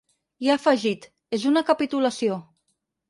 I ha afegit: És una capitulació.